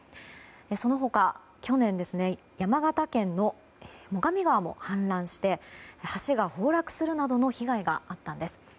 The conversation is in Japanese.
その他、去年山形県の最上川も氾濫して橋が崩落するなどの被害があったんです。